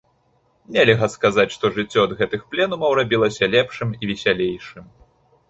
Нельга сказаць, што жыццё ад гэтых пленумаў рабілася лепшым і весялейшым.